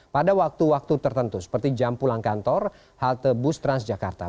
pada waktu waktu tertentu seperti jam pulang kantor halte bus transjakarta